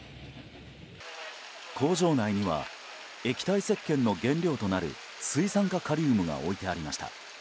工場内には液体せっけんの原料となる水酸化カリウムが置いてありました。